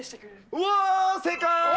うわー、正解！